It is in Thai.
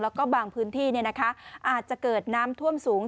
แล้วก็บางพื้นที่อาจจะเกิดน้ำท่วมสูง